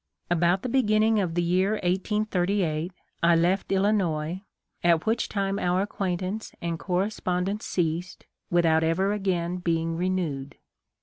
About the begin ning of the year 1838 I left Illinois, at which time our acquaintance and correspondence ceased, with out ever again being renewerd.